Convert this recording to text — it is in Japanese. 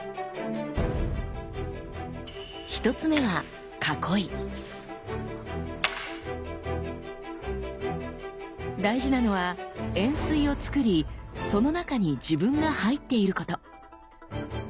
１つ目は大事なのは円錐をつくりその中に自分が入っていること。